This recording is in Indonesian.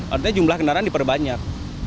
artinya jumlah kendaraan diperbanyak